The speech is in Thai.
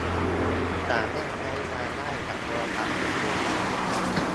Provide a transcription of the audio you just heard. สามารถใช้งานได้กับโทรศัพท์ทุกรุ่น